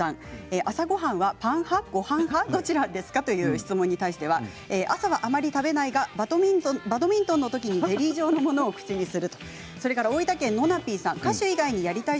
朝ごはんはパン派ごはん派どちらですかという質問に対しては朝はあまり食べないがバドミントンのときにゼリー状のものを口にする。